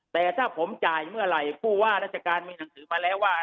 แต่ถ้าผมจ่ายเมื่อไหร่ผู้ว่าราชการมีหนังสือมาแล้วว่า